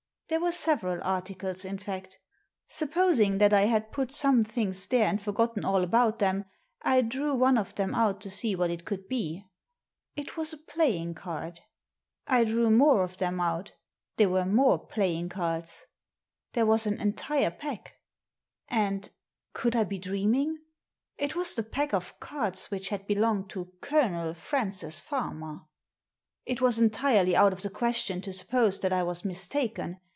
There were several articles, in fact Supposing that I had put some things there and forgotten all about them, I drew one of them out to see what it could be. It was a playing card I drew more of them out They were more playing cards. There was an entire pack. And — could I be dreaming? — ^it was the pack of cards which had belonged to " Colonel " Francis Farmer ! It was entirely out of the question to suppose that I was mistaken.